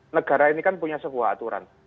negara ini kan punya sebuah aturan